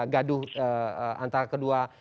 gaduh antara kedua